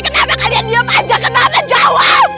kenapa kalian diem aja kenapa jawab